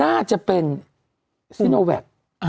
น่าจะเป็นซิโนแวค